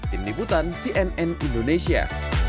tim liputan cnn indonesia